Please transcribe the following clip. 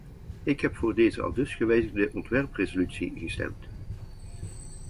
Ik heb voor deze aldus gewijzigde ontwerpresolutie gestemd.